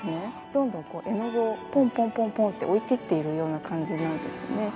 どんどん絵の具をポンポンポンポンって置いていっているような感じなんですよね。